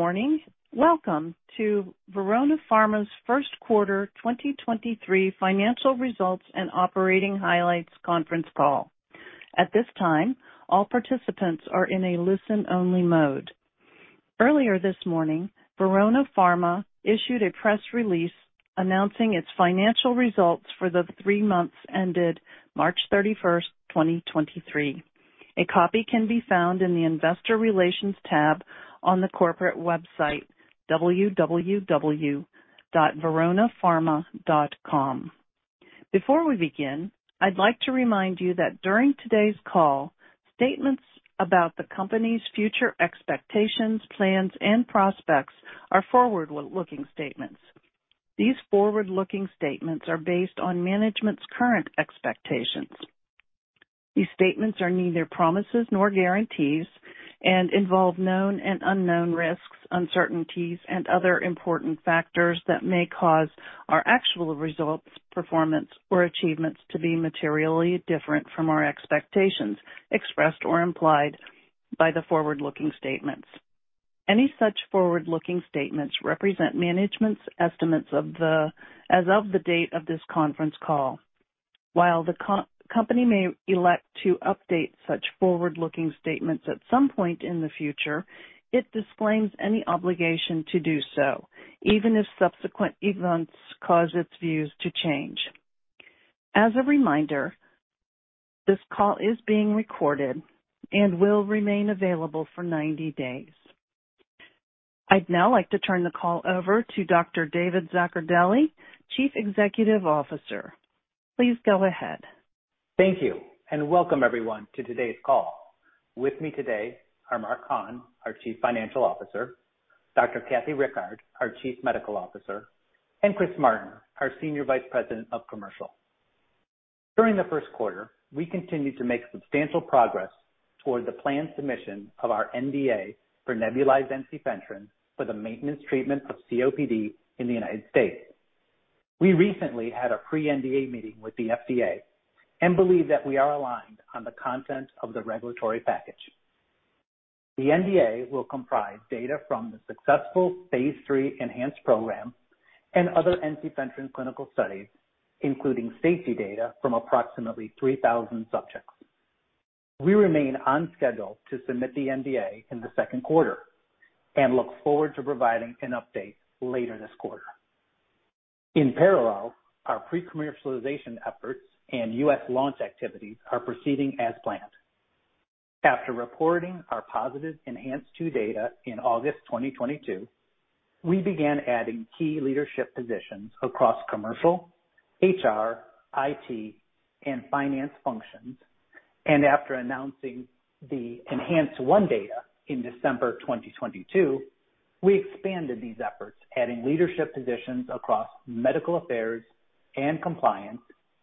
Good morning. Welcome to Verona Pharma's first quarter 2023 financial results and operating highlights conference call. At this time, all participants are in a listen-only mode. Earlier this morning, Verona Pharma issued a press release announcing its financial results for the 3 months ended March 31st, 2023. A copy can be found in the investor relations tab on the corporate website, www.veronapharma.com. Before we begin, I'd like to remind you that during today's call, statements about the company's future expectations, plans, and prospects are forward-looking statements. These forward-looking statements are based on management's current expectations. These statements are neither promises nor guarantees and involve known and unknown risks, uncertainties, and other important factors that may cause our actual results, performance, or achievements to be materially different from our expectations expressed or implied by the forward-looking statements. Any such forward-looking statements represent management's estimates as of the date of this conference call. While the company may elect to update such forward-looking statements at some point in the future, it disclaims any obligation to do so, even if subsequent events cause its views to change. As a reminder, this call is being recorded and will remain available for 90 days. I'd now like to turn the call over to Dr. David Zaccardelli, Chief Executive Officer. Please go ahead. Thank you. Welcome everyone to today's call. With me today are Mark Hahn, our Chief Financial Officer, Dr. Kathy Rickard, our Chief Medical Officer, and Chris Martin, our Senior Vice President of Commercial. During the first quarter, we continued to make substantial progress toward the planned submission of our NDA for nebulized ensifentrine for the maintenance treatment of COPD in the United States. We recently had a pre-NDA meeting with the FDA and believe that we are aligned on the content of the regulatory package. The NDA will comprise data from the successful phase III ENHANCE program and other ensifentrine clinical studies, including safety data from approximately 3,000 subjects. We remain on schedule to submit the NDA in the second quarter and look forward to providing an update later this quarter. In parallel, our pre-commercialization efforts and US launch activities are proceeding as planned. After reporting our positive ENHANCE-2 data in August 2022, we began adding key leadership positions across commercial, HR, IT, and finance functions. After announcing the ENHANCE-1 data in December 2022, we expanded these efforts, adding leadership positions across medical affairs and compliance,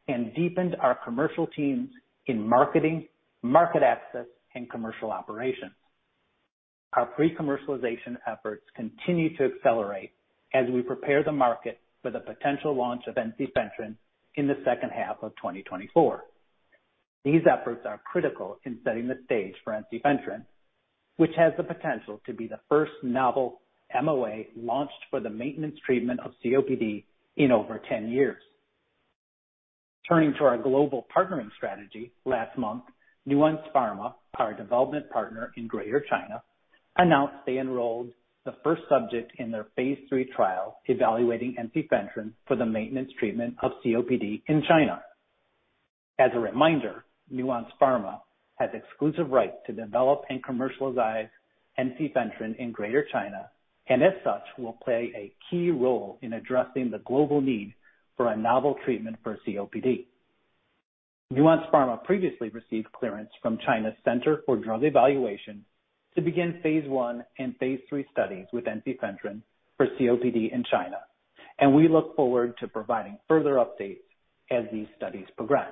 and deepened our commercial teams in marketing, market access, and commercial operations. Our pre-commercialization efforts continue to accelerate as we prepare the market for the potential launch of ensifentrine in the second half of 2024. These efforts are critical in setting the stage for ensifentrine, which has the potential to be the first novel MOA launched for the maintenance treatment of COPD in over 10 years. Turning to our global partnering strategy, last month, Nuance Pharma, our development partner in Greater China, announced they enrolled the first subject in their phase III trial evaluating ensifentrine for the maintenance treatment of COPD in China. As a reminder, Nuance Pharma has exclusive right to develop and commercialize ensifentrine in Greater China and as such will play a key role in addressing the global need for a novel treatment for COPD. Nuance Pharma previously received clearance from China's Center for Drug Evaluation to begin phase I and phase III studies with ensifentrine for COPD in China. We look forward to providing further updates as these studies progress.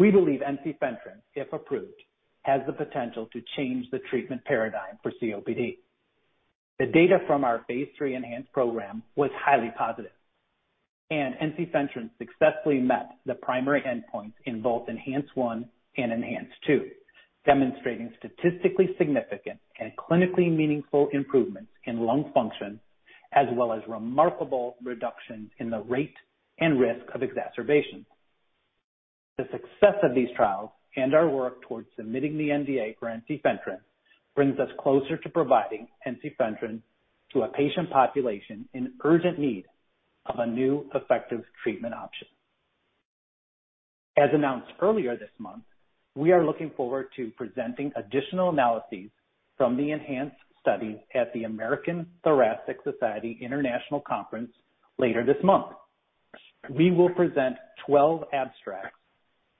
We believe ensifentrine, if approved, has the potential to change the treatment paradigm for COPD. The data from our phase III ENHANCE program was highly positive, and ensifentrine successfully met the primary endpoints in both ENHANCE-1 and ENHANCE-2, demonstrating statistically significant and clinically meaningful improvements in lung function as well as remarkable reductions in the rate and risk of exacerbation. The success of these trials and our work towards submitting the NDA for ensifentrine brings us closer to providing ensifentrine to a patient population in urgent need of a new effective treatment option. As announced earlier this month, we are looking forward to presenting additional analyses from the ENHANCE study at the American Thoracic Society International Conference later this month. We will present 12 abstracts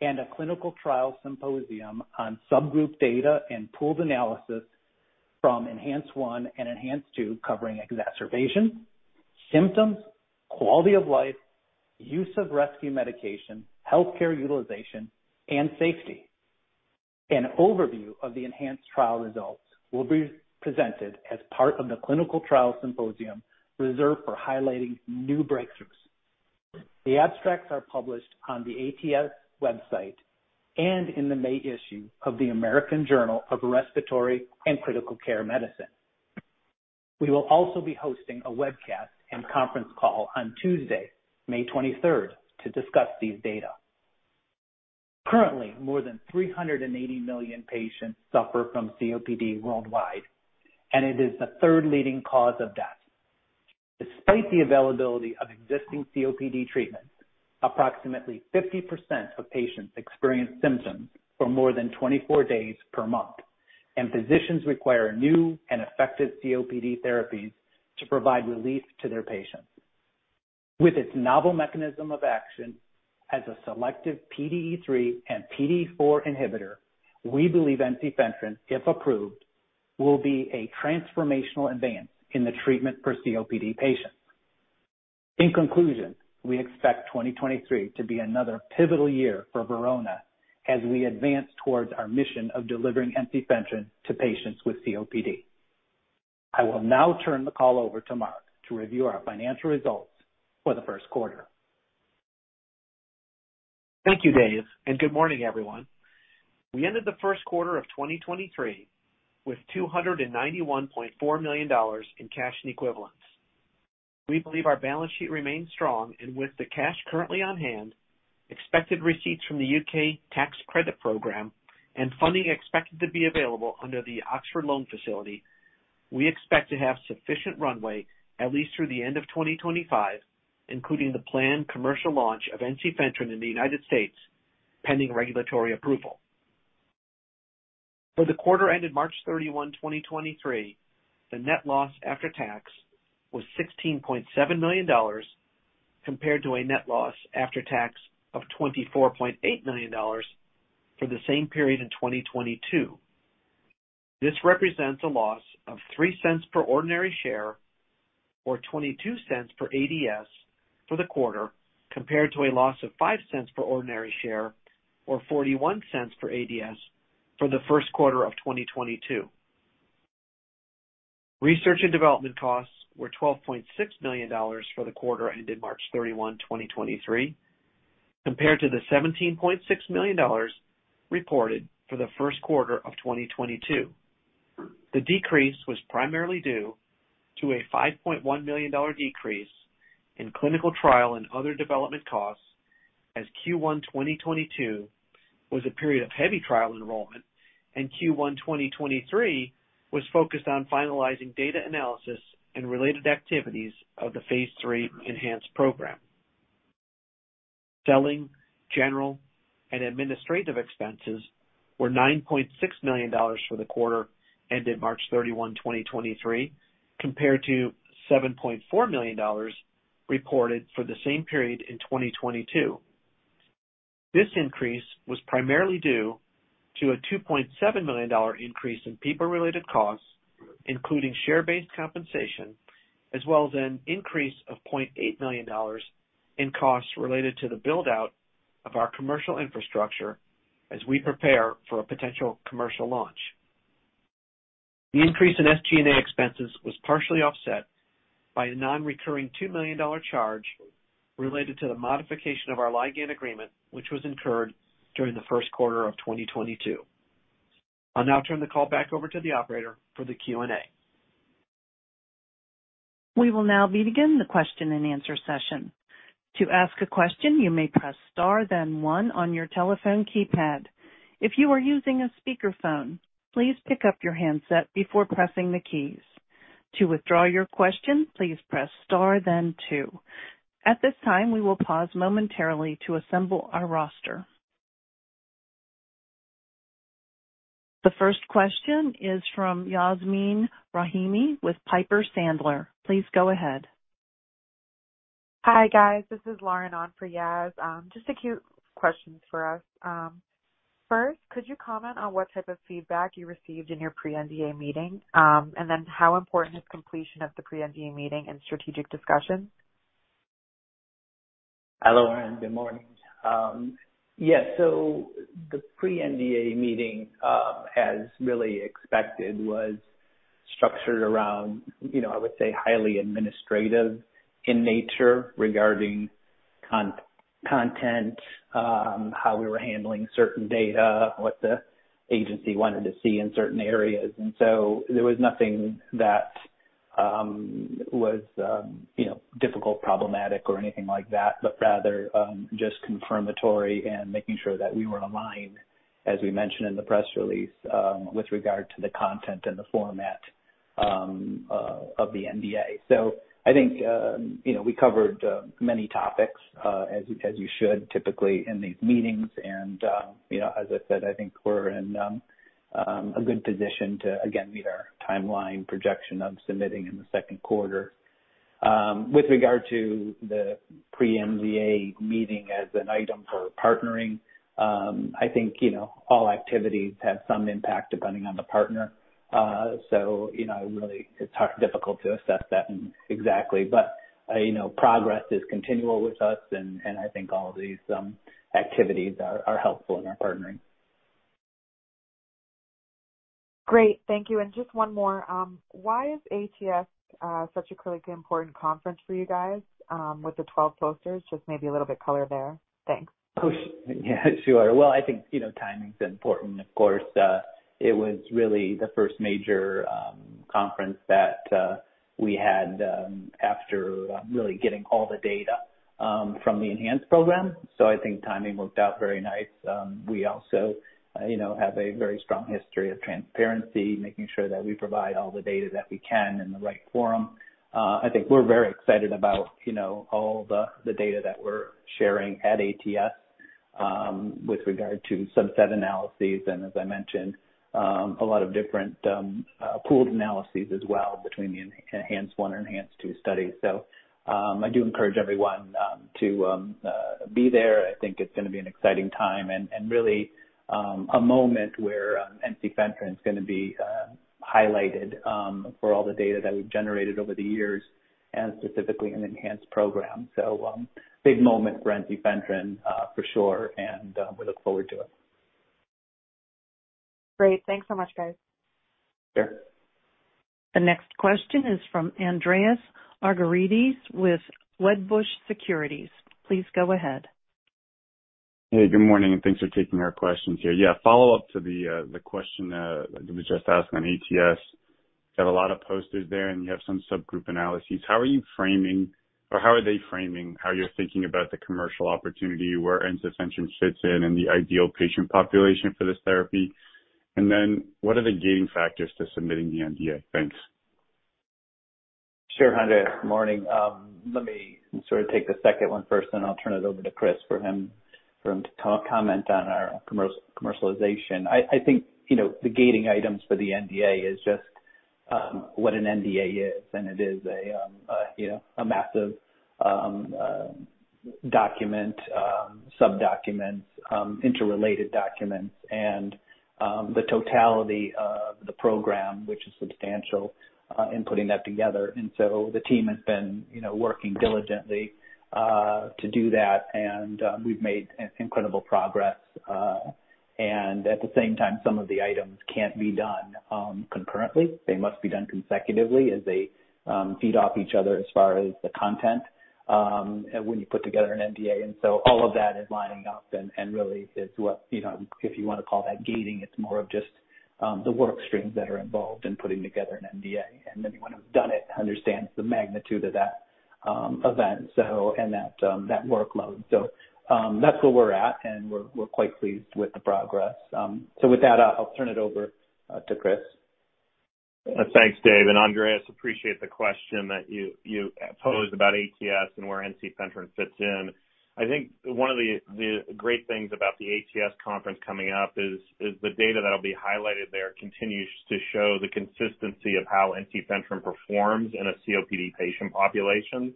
and a clinical trial symposium on subgroup data and pooled analysis from ENHANCE-1 and ENHANCE-2, covering exacerbation, symptoms, quality of life, use of rescue medication, healthcare utilization, and safety. An overview of the ENHANCE trial results will be presented as part of the clinical trial symposium reserved for highlighting new breakthroughs. The abstracts are published on the ATS website and in the May issue of the American Journal of Respiratory and Critical Care Medicine. We will also be hosting a webcast and conference call on Tuesday, May 23rd, to discuss these data. Currently, more than 380 million patients suffer from COPD worldwide. It is the third leading cause of death. Despite the availability of existing COPD treatments, approximately 50% of patients experience symptoms for more than 24 days per month. Physicians require new and effective COPD therapies to provide relief to their patients. With its novel mechanism of action as a selective PDE3 and PDE4 inhibitor, we believe ensifentrine, if approved, will be a transformational advance in the treatment for COPD patients. In conclusion, we expect 2023 to be another pivotal year for Verona as we advance towards our mission of delivering ensifentrine to patients with COPD. I will now turn the call over to Mark to review our financial results for the first quarter. Thank you, Dave. Good morning, everyone. We ended the first quarter of 2023 with $291.4 million in cash and equivalents. We believe our balance sheet remains strong. With the cash currently on hand, expected receipts from the U.K. tax credit program and funding expected to be available under the Oxford loan facility, we expect to have sufficient runway at least through the end of 2025, including the planned commercial launch of ensifentrine in the United States, pending regulatory approval. For the quarter ended March 31, 2023, the net loss after tax was $16.7 million, compared to a net loss after tax of $24.8 million for the same period in 2022. This represents a loss of $0.03 per ordinary share, or $0.22 per ADS for the quarter, compared to a loss of $0.05 per ordinary share or $0.41 per ADS for the first quarter of 2022. Research and development costs were $12.6 million for the quarter ended March 31, 2023, compared to the $17.6 million reported for the first quarter of 2022. The decrease was primarily due to a $5.1 million decrease in clinical trial and other development costs as Q1 2022 was a period of heavy trial enrollment, and Q1 2023 was focused on finalizing data analysis and related activities of the phase III ENHANCE program. Selling, General, and Administrative expenses were $9.6 million for the quarter ended March 31, 2023, compared to $7.4 million reported for the same period in 2022. This increase was primarily due to a $2.7 million increase in people-related costs, including share-based compensation, as well as an increase of $0.8 million in costs related to the build out of our commercial infrastructure as we prepare for a potential commercial launch. The increase in SG&A expenses was partially offset by a non-recurring $2 million charge related to the modification of our Ligand agreement, which was incurred during the first quarter of 2022. I'll now turn the call back over to the operator for the Q&A. We will now begin the question and answer session. To ask a question, you may press star, then one on your telephone keypad. If you are using a speakerphone, please pick up your handset before pressing the keys. To withdraw your question, please press star then two. At this time, we will pause momentarily to assemble our roster. The first question is from Yasmeen Rahimi with Piper Sandler. Please go ahead. Hi, guys. This is Lauren on for Yas. Just a few questions for us. First, could you comment on what type of feedback you received in your pre-NDA meeting? How important is completion of the pre-NDA meeting in strategic discussions? Hello, Lauren. Good morning. Yes. The pre-NDA meeting, as really expected, was structured around, you know, I would say, highly administrative in nature regarding content, how we were handling certain data, what the agency wanted to see in certain areas. There was nothing that was, you know, difficult, problematic or anything like that, but rather, just confirmatory and making sure that we were aligned, as we mentioned in the press release, with regard to the content and the format of the NDA. I think, you know, we covered many topics, as you should typically in these meetings. You know, as I said, I think we're in a good position to again meet our timeline projection of submitting in the second quarter. With regard to the pre-NDA meeting as an item for partnering, I think, you know, all activities have some impact depending on the partner. You know, really it's difficult to assess that exactly. You know, progress is continual with us, and I think all of these activities are helpful in our partnering. Great. Thank you. Just 1 more. Why is ATS such a critically important conference for you guys with the 12 posters? Just maybe a little bit color there. Thanks. Yeah, sure. Well, I think, you know, timing's important, of course. It was really the first major conference that we had after really getting all the data from the ENHANCE program. I think timing worked out very nice. We also, you know, have a very strong history of transparency, making sure that we provide all the data that we can in the right forum. I think we're very excited about, you know, all the data that we're sharing at ATS with regard to subset analyses and as I mentioned, a lot of different pooled analyses as well between the ENHANCE one or ENHANCE two studies. I do encourage everyone to be there. I think it's gonna be an exciting time and really, a moment where ensifentrine is gonna be highlighted for all the data that we've generated over the years and specifically in the ENHANCE program. Big moment for ensifentrine for sure and we look forward to it. Great. Thanks so much, guys. Sure. The next question is from Andreas Argyrides with Wedbush Securities. Please go ahead. Hey, good morning, and thanks for taking our questions here. Follow up to the question that was just asked on ATS. You have a lot of posters there, and you have some subgroup analyses. How are you framing or how are they framing how you're thinking about the commercial opportunity, where ensifentrine fits in and the ideal patient population for this therapy? What are the gating factors to submitting the NDA? Thanks. Sure, Andreas. Morning. Let me sort of take the second one first, then I'll turn it over to Chris for him to co-comment on our commercialization. I think, you know, the gating items for the NDA is just what an NDA is. It is a, you know, a massive document, subdocuments, interrelated documents and the totality of the program, which is substantial, in putting that together. The team has been, you know, working diligently to do that. We've made incredible progress and at the same time, some of the items can't be done concurrently. They must be done consecutively as they feed off each other as far as the content when you put together an NDA. All of that is lining up and really is what, you know, if you wanna call that gating, it's more of just the work streams that are involved in putting together an NDA. Anyone who's done it understands the magnitude of that event, that workload. That's where we're at, and we're quite pleased with the progress. With that, I'll turn it over to Chris. Thanks, Dave and Andreas. Appreciate the question that you posed about ATS and where ensifentrine fits in. I think one of the great things about the ATS conference coming up is the data that'll be highlighted there continues to show the consistency of how ensifentrine performs in a COPD patient population.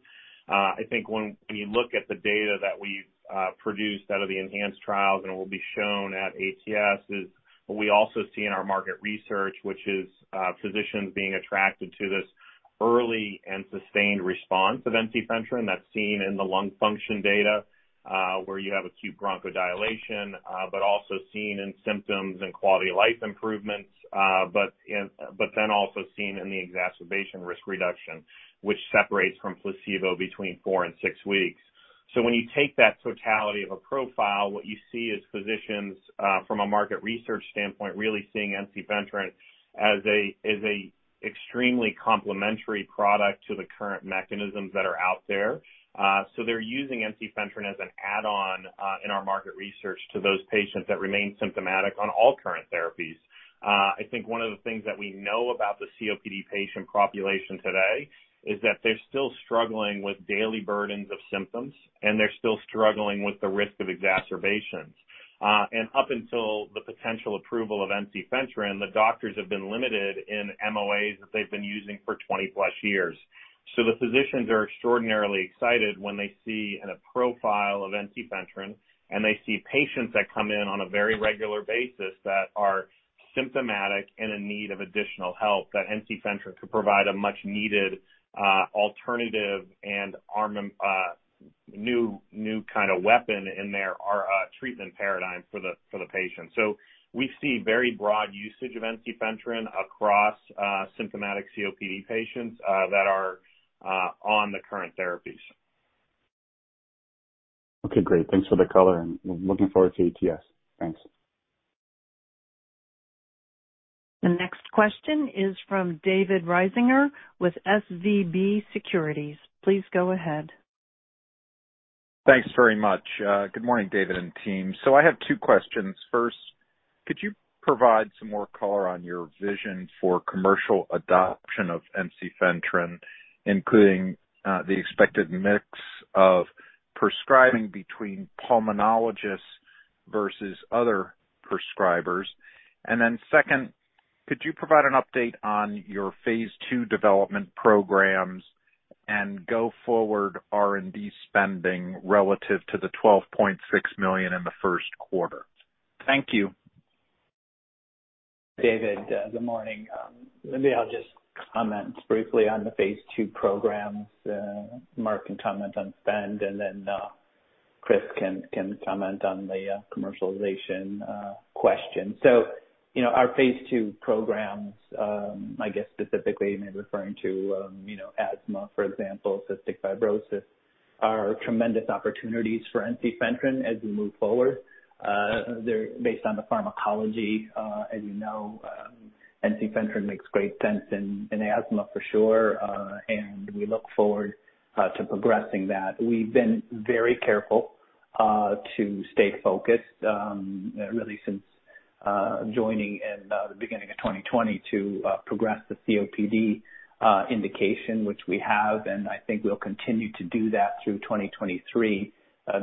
I think when you look at the data that we've produced out of the ENHANCE trials and will be shown at ATS is what we also see in our market research, which is physicians being attracted to this early and sustained response of ensifentrine. That's seen in the lung function data, where you have acute bronchodilation, but also seen in symptoms and quality of life improvements. Then also seen in the exacerbation risk reduction, which separates from placebo between four and six weeks. When you take that totality of a profile, what you see is physicians, from a market research standpoint, really seeing ensifentrine as a, as a extremely complementary product to the current mechanisms that are out there. They're using ensifentrine as an add-on, in our market research to those patients that remain symptomatic on all current therapies. I think one of the things that we know about the COPD patient population today is that they're still struggling with daily burdens of symptoms, and they're still struggling with the risk of exacerbations. Up until the potential approval of ensifentrine, the doctors have been limited in MOAs that they've been using for 20+ years. The physicians are extraordinarily excited when they see in a profile of ensifentrine and they see patients that come in on a very regular basis that are symptomatic and in need of additional help, that ensifentrine could provide a much needed alternative and arm, a new kind of weapon in their treatment paradigm for the patient. We see very broad usage of ensifentrine across symptomatic COPD patients that are on the current therapies. Okay, great. Thanks for the color and looking forward to ATS. Thanks. The next question is from David Risinger with SVB Securities. Please go ahead. Thanks very much. Good morning, David and team. I have two questions. First, could you provide some more color on your vision for commercial adoption of ensifentrine, including the expected mix of prescribing between pulmonologists versus other prescribers? Second, could you provide an update on your phase II development programs and go forward R&D spending relative to the $12.6 million in the first quarter? Thank you. David, good morning. Maybe I'll just comment briefly on the phase II programs. Mark can comment on spend and then Chris can comment on the commercialization question. You know, our phase II programs, I guess specifically you may referring to, you know, asthma, for example, cystic fibrosis, are tremendous opportunities for ensifentrine as we move forward. They're based on the pharmacology. As you know, ensifentrine makes great sense in asthma for sure. We look forward to progressing that. We've been very careful to stay focused really since joining in the beginning of 2020 to progress the COPD indication, which we have, and I think we'll continue to do that through 2023.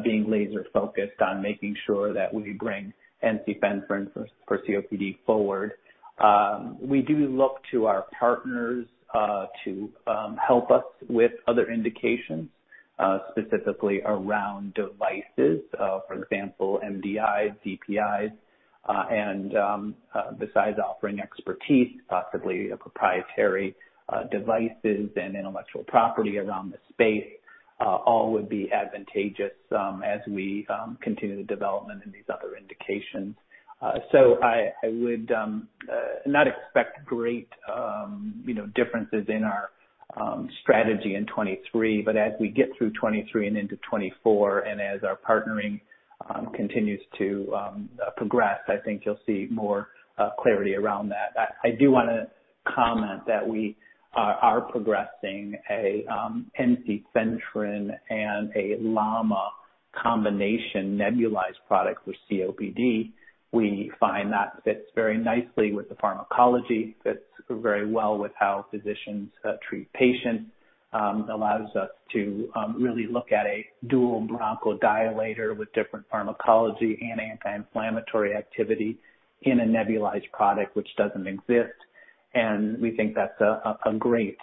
Being laser focused on making sure that we bring ensifentrine for COPD forward. We do look to our partners to help us with other indications, specifically around devices, for example, MDIs, DPIs, and besides offering expertise, possibly a proprietary devices and intellectual property around the space, all would be advantageous as we continue the development in these other indications. I would not expect great, you know, differences in our strategy in 2023, but as we get through 2023 and into 2024, and as our partnering continues to progress, I think you'll see more clarity around that. I do wanna comment that we are progressing a ensifentrine and a LAMA combination nebulized product with COPD. We find that fits very nicely with the pharmacology, fits very well with how physicians treat patients. allows us to really look at a dual bronchodilator with different pharmacology and anti-inflammatory activity in a nebulized product which doesn't exist. We think that's a great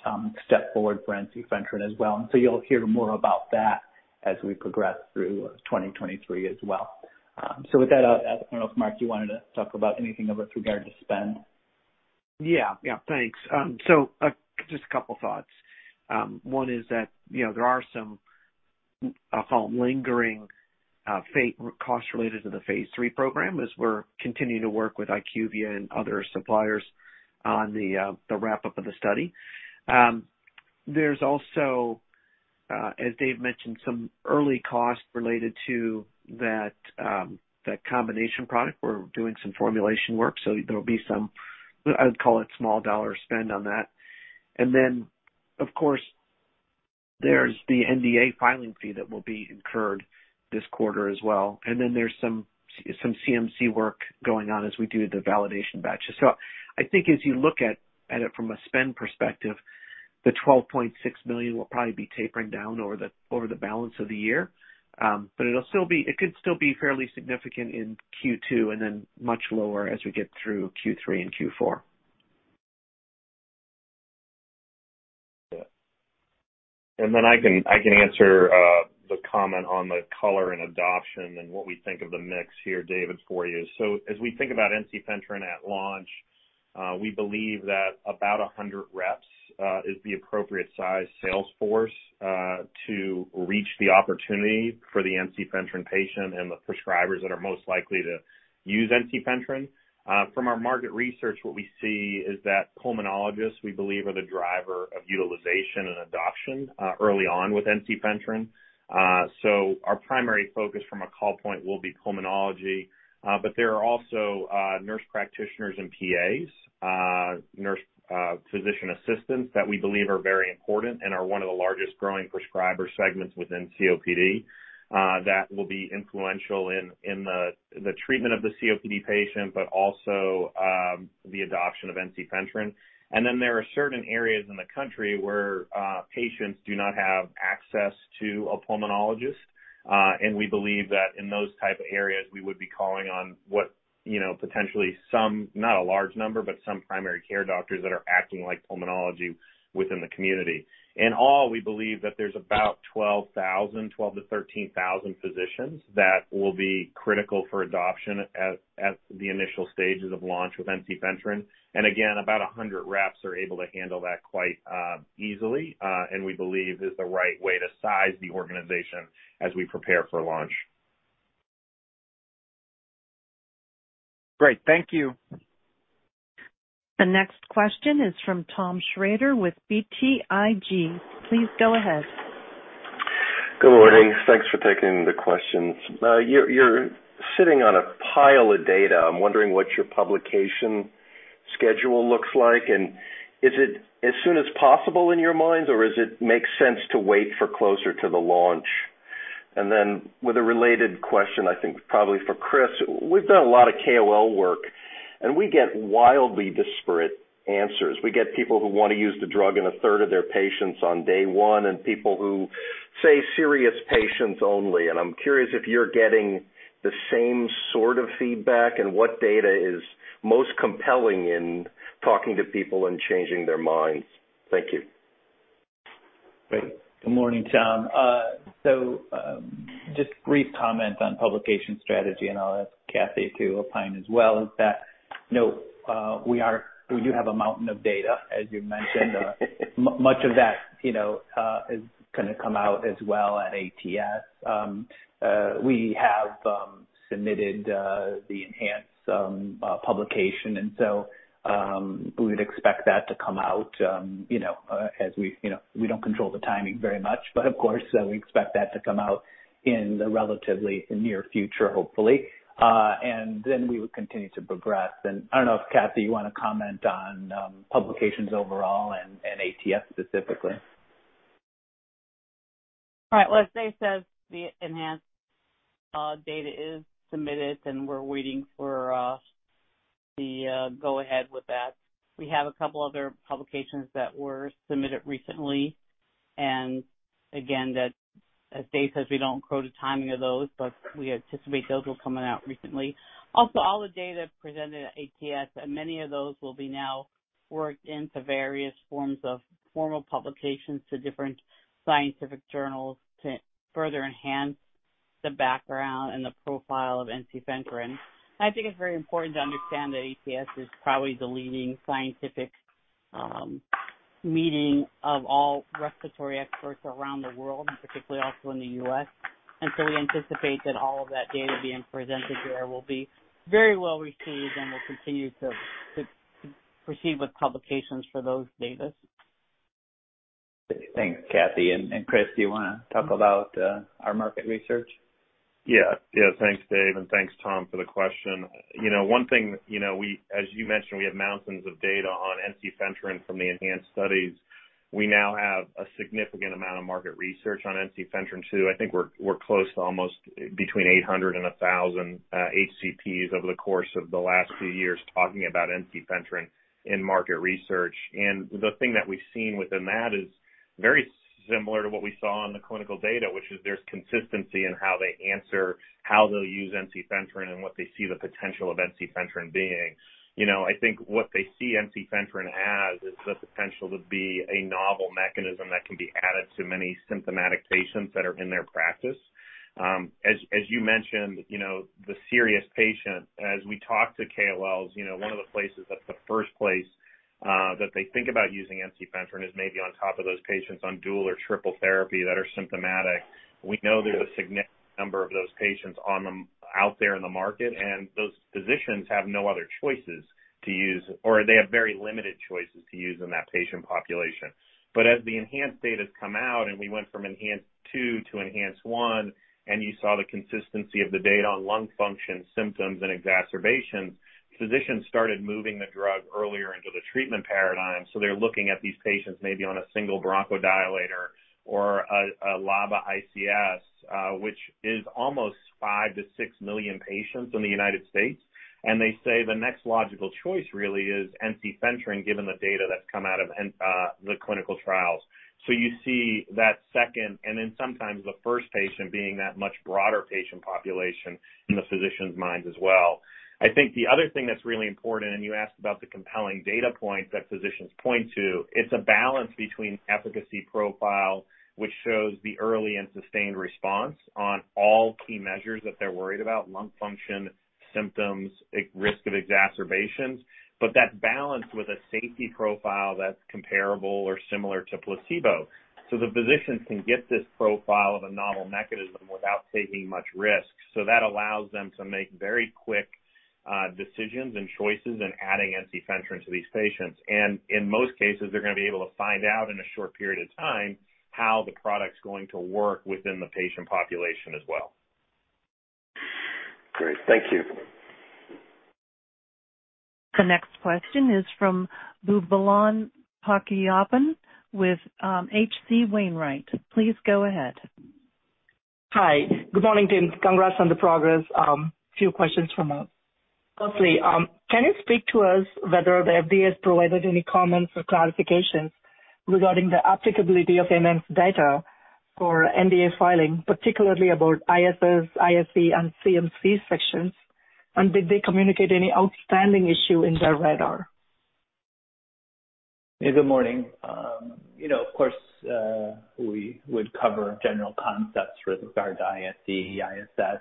step forward for ensifentrine as well. You'll hear more about that as we progress through 2023 as well. With that, I don't know if Mark, you wanted to talk about anything with regard to spend? Yeah. Yeah. Thanks. Just a couple thoughts. One is that, you know, there are some, I'll call them lingering costs related to the phase III program as we're continuing to work with IQVIA and other suppliers on the wrap-up of the study. There's also, as Dave mentioned, some early costs related to that combination product. We're doing some formulation work. There'll be some, I would call it small dollar spend on that. Of course, there's the NDA filing fee that will be incurred this quarter as well. There's some CMC work going on as we do the validation batches. I think as you look at it from a spend perspective, the $12.6 million will probably be tapering down over the balance of the year. It'll still be, it could still be fairly significant in Q2 and then much lower as we get through Q3 and Q4. Yeah. I can answer the comment on the color and adoption and what we think of the mix here, David, for you. As we think about ensifentrine at launch, we believe that about 100 reps is the appropriate size sales force to reach the opportunity for the ensifentrine patient and the prescribers that are most likely to use ensifentrine. From our market research, what we see is that pulmonologists, we believe, are the driver of utilization and adoption early on with ensifentrine. Our primary focus from a call point will be pulmonology. There are also nurse practitioners and PAs, physician assistants that we believe are very important and are one of the largest growing prescriber segments within COPD that will be influential in the treatment of the COPD patient, but also the adoption of ensifentrine. There are certain areas in the country where patients do not have access to a pulmonologist. We believe that in those type of areas, we would be calling on what, you know, potentially some, not a large number, but some primary care doctors that are acting like pulmonology within the community. In all, we believe that there's about 12,000, 12,000-13,000 physicians that will be critical for adoption at the initial stages of launch with ensifentrine. About 100 reps are able to handle that quite easily. We believe is the right way to size the organization as we prepare for launch. Great. Thank you. The next question is from Tom Shrader with BTIG. Please go ahead. Good morning. Thanks for taking the questions. You're, you're sitting on a pile of data. I'm wondering what your publication schedule looks like. Is it as soon as possible in your minds, or is it makes sense to wait for closer to the launch? With a related question, I think probably for Chris, we've done a lot of KOL work, and we get wildly disparate answers. We get people who wanna use the drug in a third of their patients on day one. People who say serious patients only. I'm curious if you're getting the same sort of feedback and what data is most compelling in talking to people and changing their minds. Thank you. Great. Good morning, Tom. Just brief comment on publication strategy, and I'll ask Kathy to opine as well, we do have a mountain of data, as you mentioned. Much of that, you know, is gonna come out as well at ATS. We have submitted the ENHANCE publication. We would expect that to come out, you know, we don't control the timing very much, but of course, we expect that to come out in the relatively near future, hopefully. We would continue to progress. I don't know if Kathy, you wanna comment on publications overall and ATS specifically. All right. Well, as Dave says, the ENHANCE data is submitted, and we're waiting for the go ahead with that. We have a couple other publications that were submitted recently, and again, that, as Dave says, we don't quote a timing of those, but we anticipate those will coming out recently. Also, all the data presented at ATS, many of those will be now worked into various forms of formal publications to different scientific journals to further enhance the background and the profile of ensifentrine. I think it's very important to understand that ATS is probably the leading scientific meeting of all respiratory experts around the world and particularly also in the U.S. We anticipate that all of that data being presented there will be very well received and will continue to proceed with publications for those data. Thanks, Kathy. Chris, do you wanna talk about our market research? Thanks, Dave, and thanks, Tom, for the question. You know, one thing, you know, we, as you mentioned, we have mountains of data on ensifentrine from the ENHANCE studies. We now have a significant amount of market research on ensifentrine, too. I think we're close to almost between 800 and 1,000 HCPs over the course of the last few years talking about ensifentrine in market research. The thing that we've seen within that is very similar to what we saw in the clinical data, which is there's consistency in how they answer how they'll use ensifentrine and what they see the potential of ensifentrine being. You know, I think what they see ensifentrine as is the potential to be a novel mechanism that can be added to many symptomatic patients that are in their practice. As, as you mentioned, you know, the serious patient, as we talk to KOLs, you know, one of the places that's the first place, that they think about using ensifentrine is maybe on top of those patients on dual or triple therapy that are symptomatic. We know there's a significant number of those patients out there in the market, and those physicians have no other choices to use, or they have very limited choices to use in that patient population. As the ENHANCE data's come out and we went from ENHANCE-2 to ENHANCE-1, and you saw the consistency of the data on lung function, symptoms and exacerbations, physicians started moving the drug earlier into the treatment paradigm, they're looking at these patients maybe on a single bronchodilator or a LABA/ICS, which is almost 5 to 6 million patients in the U.S. They say the next logical choice really is ensifentrine, given the data that's come out of the clinical trials. You see that second and then sometimes the first patient being that much broader patient population in the physician's minds as well. I think the other thing that's really important, and you asked about the compelling data points that physicians point to, it's a balance between efficacy profile, which shows the early and sustained response on all key measures that they're worried about, lung function, symptoms, risk of exacerbations, but that balance with a safety profile that's comparable or similar to placebo. The physicians can get this profile of a novel mechanism without taking much risk. That allows them to make very quick decisions and choices in adding ensifentrine to these patients. In most cases, they're gonna be able to find out in a short period of time how the product's going to work within the patient population as well. Great. Thank you. The next question is from Boobalan Pachaiyappan with H.C. Wainwright. Please go ahead. Hi. Good morning, team. Congrats on the progress. Few questions from us. Can you speak to us whether the FDA has provided any comments or clarifications regarding the applicability of ENHANCE data for NDA filing, particularly about ISS, ISE and CMC sections, and did they communicate any outstanding issue in their radar? Good morning. You know, of course, we would cover general concepts with regard to ISE, ISS,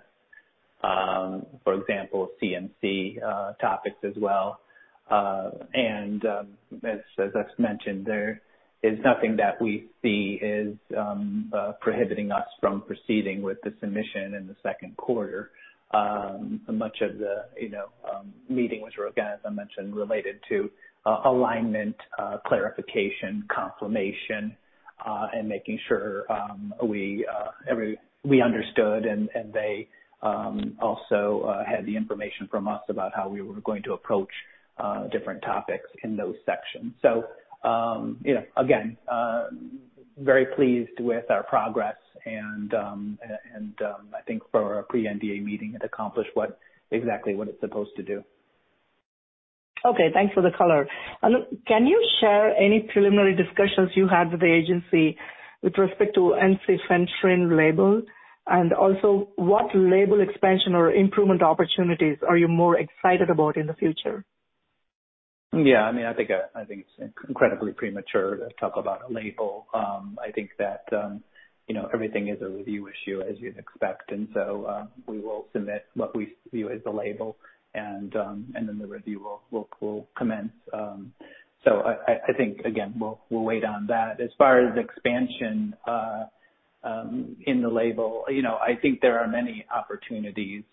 for example, CMC topics as well. As I've mentioned, there is nothing that we see is prohibiting us from proceeding with the submission in the second quarter. Much of the meeting, which were, again, as I mentioned, related to alignment, clarification, confirmation, and making sure we understood and they also had the information from us about how we were going to approach different topics in those sections. Again, very pleased with our progress and I think for our pre-NDA meeting, it accomplished exactly what it's supposed to do. Okay. Thanks for the color. Can you share any preliminary discussions you had with the agency with respect to ensifentrine label? Also, what label expansion or improvement opportunities are you more excited about in the future? Yeah. I mean, I think, I think it's incredibly premature to talk about a label. I think that, you know, everything is a review issue as you'd expect. We will submit what we view as the label and then the review will commence. I think again, we'll wait on that. As far as expansion in the label, you know, I think there are many opportunities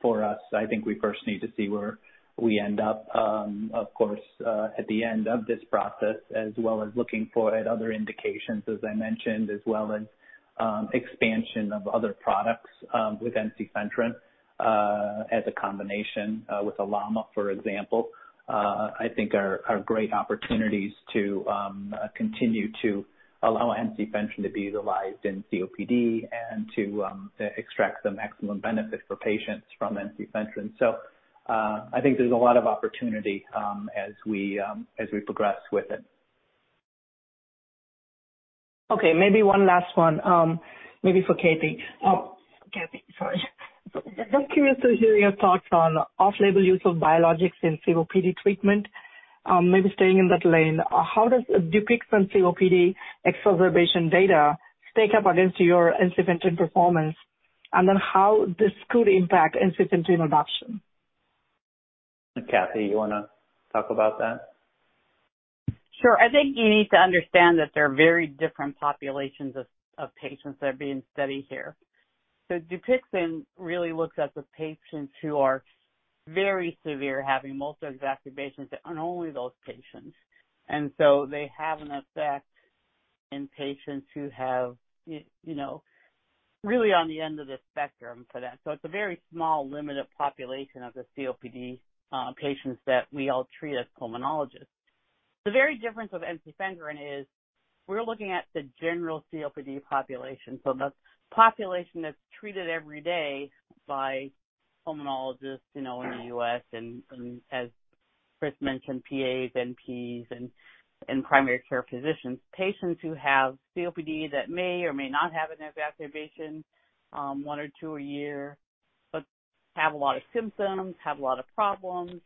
for us. I think we first need to see where we end up, of course, at the end of this process as well as looking forward at other indications as I mentioned, as well as expansion of other products with ensifentrine as a combination with LAMA, for example. I think are great opportunities to continue to allow ensifentrine to be utilized in COPD and to extract the maximum benefit for patients from ensifentrine. I think there's a lot of opportunity as we progress with it. Maybe one last one, maybe for Kathy Rickard. Oh, Kathy Rickard, sorry. Just curious to hear your thoughts on off-label use of biologics in COPD treatment. Maybe staying in that lane, how does Dupixent COPD exacerbation data stack up against your ensifentrine performance? How this could impact ensifentrine adoption. Kathy, you wanna talk about that? Sure. I think you need to understand that there are very different populations of patients that are being studied here. Dupixent really looks at the patients who are very severe, having multiple exacerbations and only those patients. They have an effect in patients who have, you know, really on the end of the spectrum for that. It's a very small limited population of the COPD patients that we all treat as pulmonologists. The very difference with ensifentrine is we're looking at the general COPD population. The population that's treated every day by pulmonologists, you know, in the U.S. and as Chris mentioned, PAs, NPs and primary care physicians. Patients who have COPD that may or may not have an exacerbation, one or two a year, but have a lot of symptoms, have a lot of problems.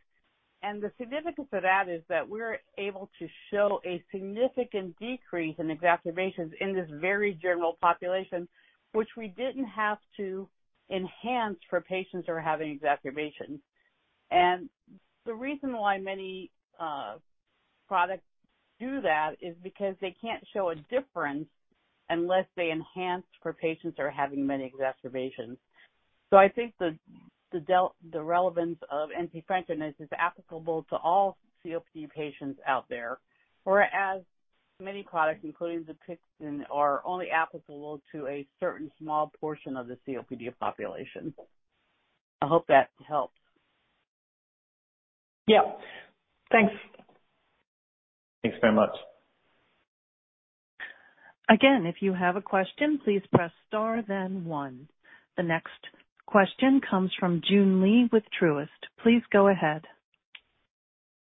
The significance of that is that we're able to show a significant decrease in exacerbations in this very general population, which we didn't have to enhance for patients who are having exacerbations. The reason why many products do that is because they can't show a difference unless they enhance for patients that are having many exacerbations. I think the relevance of ensifentrine is applicable to all COPD patients out there, whereas many products, including Dupixent, are only applicable to a certain small portion of the COPD population. I hope that helps. Yeah. Thanks. Thanks very much. Again, if you have a question, please press star then one. The next question comes from Joon Lee with Truist. Please go ahead.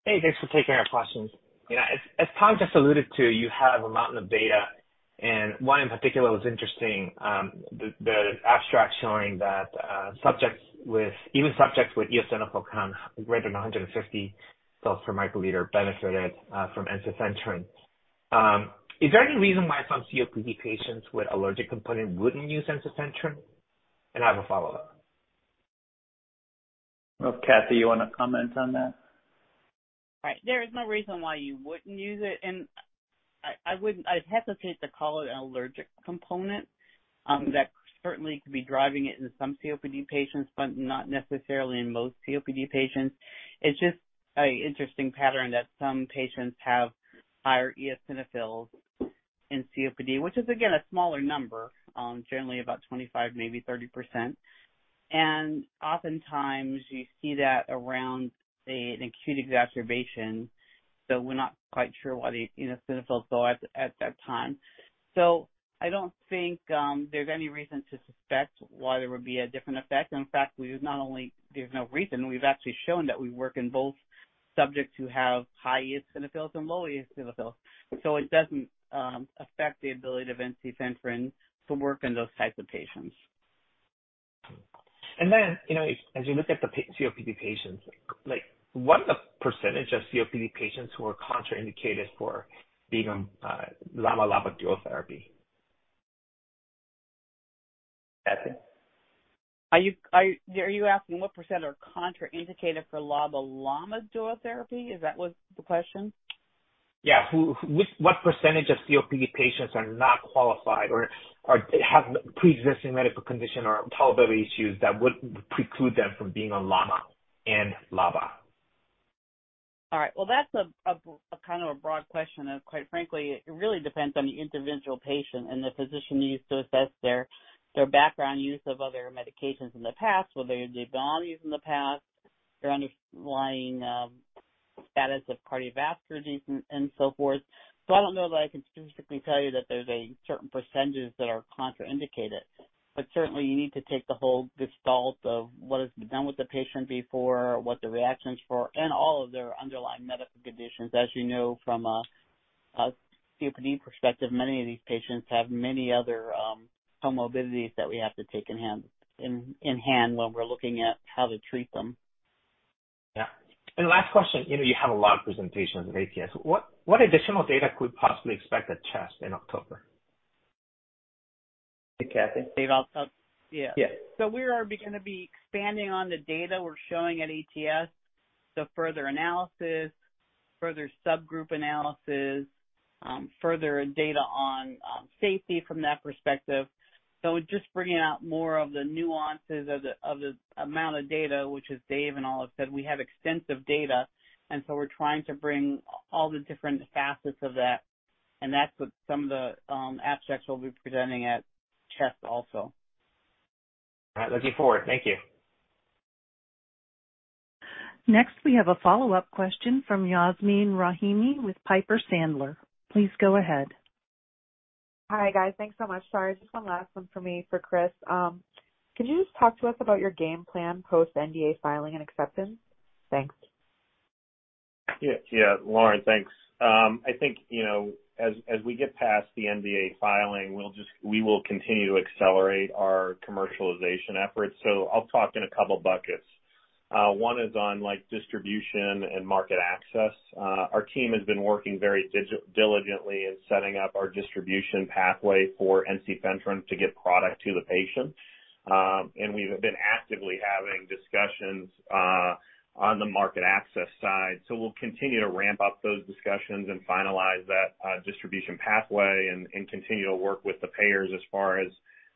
Hey, thanks for taking our questions. You know, as Tom Shrader just alluded to, you have a mountain of data, and one in particular was interesting. The abstract showing that even subjects with eosinophil count greater than 150 cells per microliter benefited from ensifentrine. Is there any reason why some COPD patients with allergic component wouldn't use ensifentrine? I have a follow-up. Well, Kathy, you wanna comment on that? Right. There is no reason why you wouldn't use it. I'd hesitate to call it an allergic component that certainly could be driving it in some COPD patients, but not necessarily in most COPD patients. It's just a interesting pattern that some patients have higher eosinophils in COPD, which is again, a smaller number, generally about 25, maybe 30%. Oftentimes you see that around a, an acute exacerbation, so we're not quite sure why the eosinophils go up at that time. I don't think there's any reason to suspect why there would be a different effect. In fact, we've not only there's no reason, we've actually shown that we work in both subjects who have high eosinophils and low eosinophils. It doesn't affect the ability of ensifentrine to work in those types of patients. you know, as you look at the COPD patients, like what is the % of COPD patients who are contraindicated for being on, LAMA/LABA dual therapy? Kathy. Are you asking what percent are contraindicated for LABA/LAMA dual therapy? Is that what the question? Yeah. Who what percent of COPD patients are not qualified or have preexisting medical condition or tolerability issues that would preclude them from being on LAMA and LABA? All right. Well, that's a kind of a broad question. Quite frankly, it really depends on the individual patient and the physician needs to assess their background use of other medications in the past, whether they had been on these in the past, their underlying status of cardiovascular disease and so forth. I don't know that I can specifically tell you that there's a certain percentage that are contraindicated, but certainly you need to take the whole gestalt of what has been done with the patient before, what the reactions were, and all of their underlying medical conditions. As you know from a COPD perspective, many of these patients have many other comorbidities that we have to take in hand when we're looking at how to treat them. Yeah. Last question. You know, you have a lot of presentations at ATS. What additional data could we possibly expect at CHEST in October? Hey, Kathy? Dave, Yeah. Yeah. We are gonna be expanding on the data we're showing at ATS to further analysis, further subgroup analysis, further data on safety from that perspective. Just bringing out more of the nuances of the amount of data, which as Dave and all have said, we have extensive data, and so we're trying to bring all the different facets of that, and that's what some of the abstracts we'll be presenting at CHEST also. All right. Looking forward. Thank you. We have a follow-up question from Yasmeen Rahimi with Piper Sandler. Please go ahead. Hi, guys. Thanks so much. Sorry, just one last one from me for Chris. Could you just talk to us about your game plan post NDA filing and acceptance? Thanks. Yeah, yeah. Lauren, thanks. I think, you know, as we get past the NDA filing, we will continue to accelerate our commercialization efforts. I'll talk in 2 buckets. One is on, like, distribution and market access. Our team has been working very diligently in setting up our distribution pathway for ensifentrine to get product to the patient. We've been actively having discussions on the market access side. We'll continue to ramp up those discussions and finalize that distribution pathway and continue to work with the payers as far as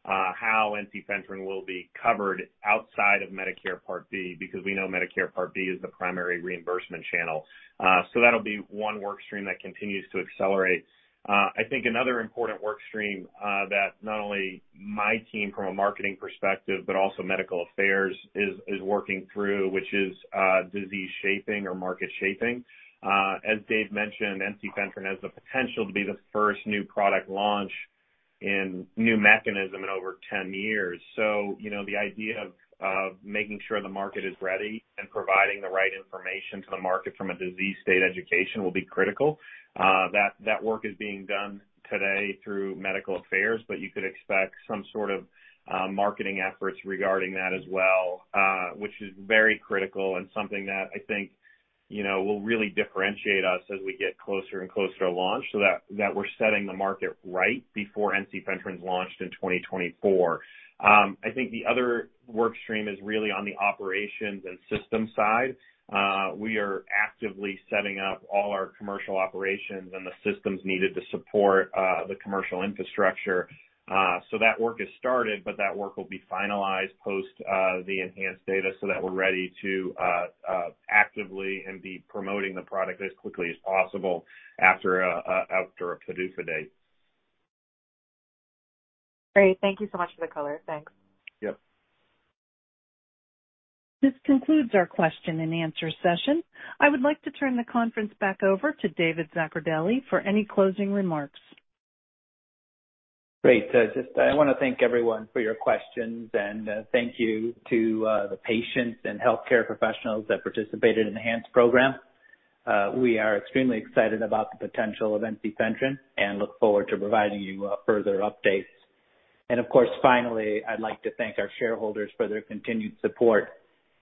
how ensifentrine will be covered outside of Medicare Part D, because we know Medicare Part D is the primary reimbursement channel. That'll be 1 work stream that continues to accelerate. I think another important work stream that not only my team from a marketing perspective, but also medical affairs is working through, which is disease shaping or market shaping. As Dave mentioned, ensifentrine has the potential to be the first new product launch in new mechanism in over 10 years. The idea of making sure the market is ready and providing the right information to the market from a disease state education will be critical. That work is being done today through medical affairs, but you could expect some sort of marketing efforts regarding that as well, which is very critical and something that I think, you know, will really differentiate us as we get closer and closer to launch so that we're setting the market right before ensifentrine's launched in 2024. I think the other work stream is really on the operations and systems side. We are actively setting up all our commercial operations and the systems needed to support the commercial infrastructure. So that work has started, but that work will be finalized post the ENHANCE data so that we're ready to actively and be promoting the product as quickly as possible after a PDUFA date. Great. Thank you so much for the color. Thanks. Yep. This concludes our question and answer session. I would like to turn the conference back over to David Zaccardelli for any closing remarks. Great. just I wanna thank everyone for your questions, thank you to the patients and healthcare professionals that participated in the ENHANCE program. We are extremely excited about the potential of ensifentrine and look forward to providing you further updates. Of course, finally, I'd like to thank our shareholders for their continued support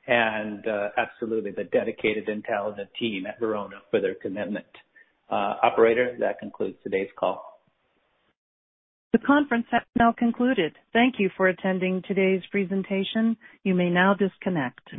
and absolutely the dedicated and talented team at Verona for their commitment. Operator, that concludes today's call. The conference has now concluded. Thank Thank you for attending today's presentation. You may now disconnect.